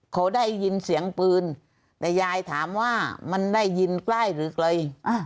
เขาได้ยินเสียงปืนแต่ยายถามว่ามันได้ยินใกล้หรือไกล